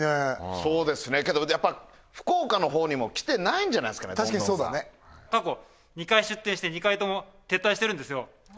そうですねけどやっぱ福岡の方にも来てないんじゃないすかねどんどんさん過去２回出店して２回とも撤退してるんですよ